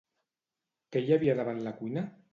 Què hi havia davant la cuina?